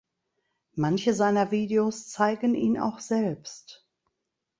Manche seiner Videos zeigen ihn auch selbst.